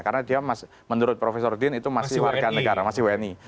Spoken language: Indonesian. karena dia menurut profesor dean itu masih warga negara masih wni